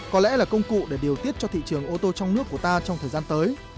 có lẽ là công cụ để điều tiết cho thị trường ô tô trong nước của ta trong thời gian tới